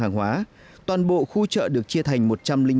cắt mpeople do công tử e hai b một nghìn